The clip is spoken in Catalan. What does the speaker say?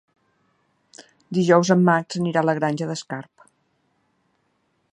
Dijous en Max anirà a la Granja d'Escarp.